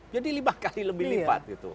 jadi lima kali lebih lipat gitu